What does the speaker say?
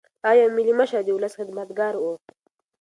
هغه یو ملي مشر او د ولس خدمتګار و.